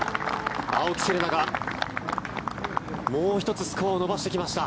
青木瀬令奈がもう１つスコアを伸ばしてきました。